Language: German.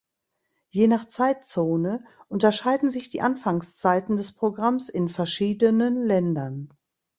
Je nach Zeitzone unterscheiden sich die Anfangszeiten des Programms in verschiedenen Ländern.